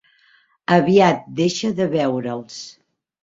Aviat deixa de veure'ls.